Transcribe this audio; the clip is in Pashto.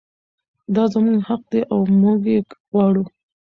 دا زموږ حق دی او موږ یې غواړو.